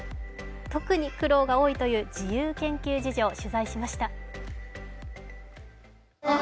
特に苦労が多いという自由研究事情、取材しました。